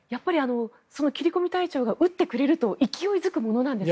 その切り込み隊長が打ってくれると勢いづくものなんですか？